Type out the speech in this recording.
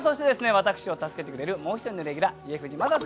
私を助けてくれるもう一人のレギュラー家藤正人さんです